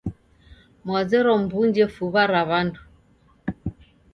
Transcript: Mwazerwa mw'unje fuw'a ra w'andu,